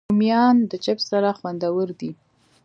رومیان د چپس سره خوندور دي